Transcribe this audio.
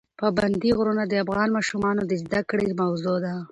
پابندي غرونه د افغان ماشومانو د زده کړې موضوع ده.